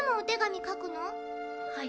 はい。